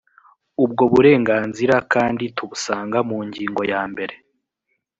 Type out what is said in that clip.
ubwo burenganzira kandi tubusanga mu ngingo yambere